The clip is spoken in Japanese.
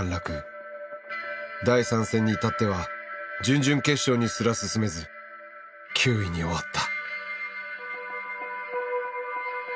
第３戦に至っては準々決勝にすら進めず９位に終わった。